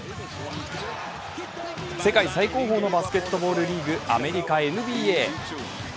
世界最高峰のバスケットボールリーグアメリカＮＢＡ。